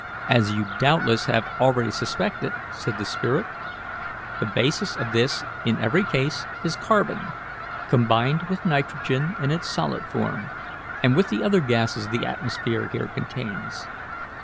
"As you doubtless have already suspected," said the spirit, "the basis of this in every case is carbon, combined with nitrogen in its solid form, and with the other gases the atmosphere here contains.